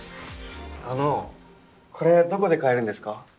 あのこれどこで買えるんですか？